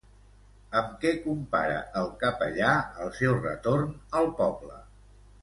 Amb què compara el capellà el seu retorn al poble?